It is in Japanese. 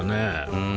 うん。